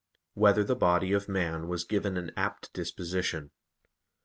3] Whether the Body of Man Was Given an Apt Disposition?